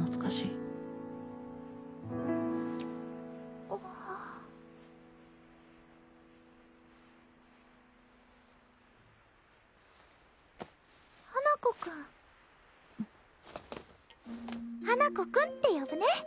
懐かしい花子くん花子くんって呼ぶね